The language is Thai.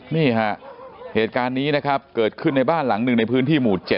นี่ฮะเหตุการณ์นี้นะครับเกิดขึ้นในบ้านหลังหนึ่งในพื้นที่หมู่๗